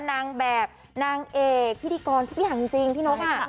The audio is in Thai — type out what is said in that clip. นางแบบนางเอกพิธีกรทุกอย่างจริงพี่นก